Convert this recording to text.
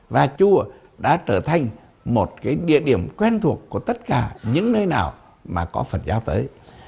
và chùa đã trở thành một cái địa điểm quen thuộc của tất cả những nơi nào mà có phần giao tới